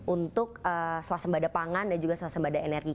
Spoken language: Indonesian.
untuk swasembada pangan dan juga suasembada energi